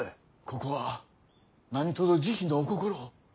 ここは何とぞ慈悲のお心を。